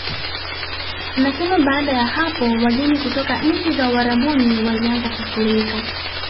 Anasema baada ya hapo wageni kutoka nchi za Uarabuni walianza kufurika